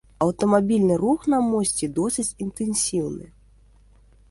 Аўтамабільны рух на мосце досыць інтэнсіўны.